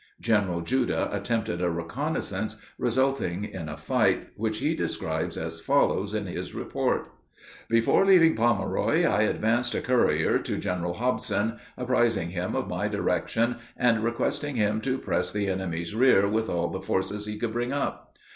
General Judah attempted a reconnaissance, resulting in a fight, which he describes as follows in his report: Before leaving Pomeroy I despatched a courier to General Hobson, apprising him of my direction, and requesting him to press the enemy's rear with all the forces he could bring up.